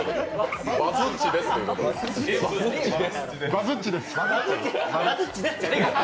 バズっちですと。